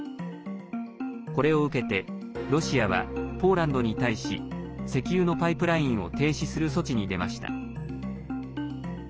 これを受けてロシアはポーランドに対し石油のパイプラインを停止する措置に出ました。